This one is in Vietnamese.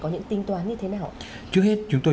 có những tính toán như thế nào trước hết chúng tôi